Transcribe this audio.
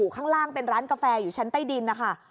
ข้างล่างเป็นร้านกาแฟอยู่ชั้นใต้ดินนะคะ